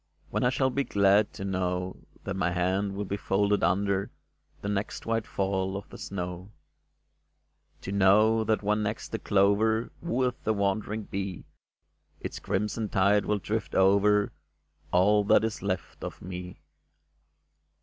When I shall be glad to know That my hands will be folded under The next white fall of the snow ? To know that when next the clover Wooeth the wandering bee, Its crimson tide will drift over All that is left of me